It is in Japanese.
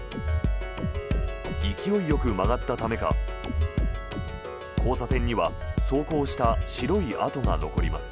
勢いよく曲がったためか交差点には走行した白い跡が残ります。